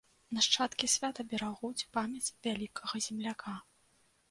Нашчадкі свята берагуць памяць вялікага земляка.